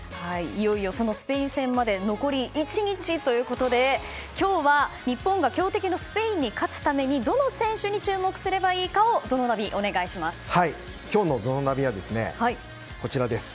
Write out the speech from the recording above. いよいよスペイン戦まで残り１日ということで今日は、日本が強敵のスペインに勝つためにどの選手に注目すればいいかをＺＯＮＯナビ、お願いします。